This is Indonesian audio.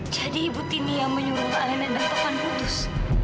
jadi ibu tini yang menyuruh alena dan taufan putus